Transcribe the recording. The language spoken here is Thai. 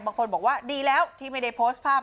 บางคนบอกว่าดีแล้วที่ไม่ได้โพสต์ภาพ